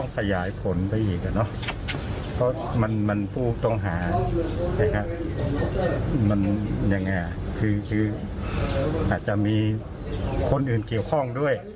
ผู้ที่เกี่ยวข้อง